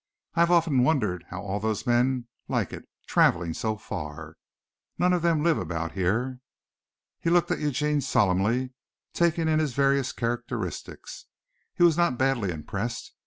"I have often wondered how all those men like it, traveling so far. None of them live about here." He looked at Eugene solemnly, taking in his various characteristics. He was not badly impressed.